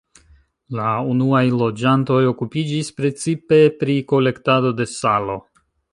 La unuaj loĝantoj okupiĝis precipe pri kolektado de salo.